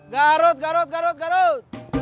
garut garut garut garut